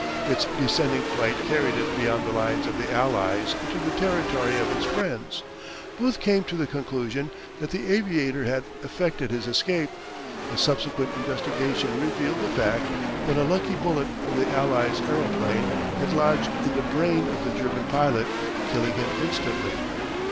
Its descending flight carried it beyond the lines of the Allies into the territory of its friends. Both came to the conclusion that the aviator had effected his escape. But subsequent investigation revealed the fact that a lucky bullet from the Allies' aeroplane had lodged in the brain of the German pilot, killing him instantly.